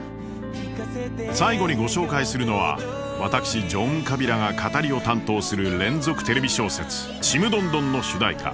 最後にご紹介するのは私ジョン・カビラが語りを担当する連続テレビ小説「ちむどんどん」の主題歌。